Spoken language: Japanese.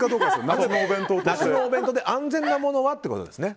夏のお弁当で安全なものはということですね。